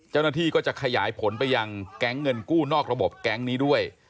เจ้าหน้าที่ก็จะขยายผลไปยังแก๊งเงินกู้นอกระบบแก๊งนี้ด้วย